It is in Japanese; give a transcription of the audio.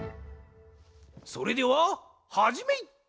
それでははじめい！